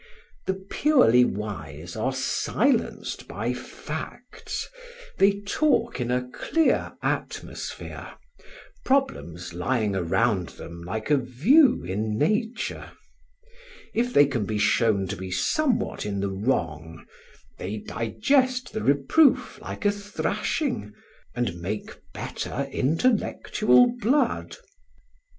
The purely wise are silenced by facts; they talk in a clear atmosphere, problems lying around them like a view in nature; if they can be shown to be somewhat in the wrong, they digest the reproof like a thrashing, and make better intellectual blood.